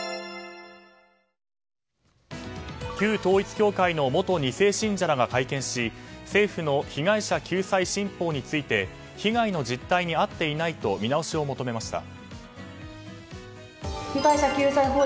旧統一教会の元２世信者らが会見し政府の被害者救済新法について被害の実態に合っていないと見直しを求めました。